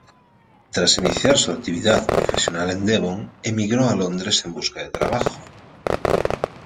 Tras iniciar su actividad profesional en Devon, emigró a Londres en busca de trabajo.